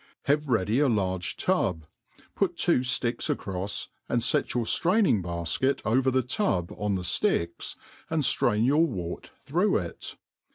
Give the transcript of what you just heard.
Have ready a large tub, put two fticks acroTs^ andfet your draining baftet over the tab on the ftkks, and ftrain your wort through it.